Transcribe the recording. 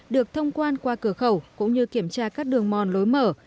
được thông quan qua cửa khẩu cũng như kiểm tra các đường mòn lối mở